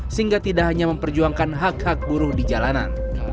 sehingga tidak hanya memperjuangkan hak hak buruh di jalanan